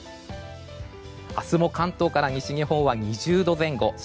明日も関東から西日本は２０度前後。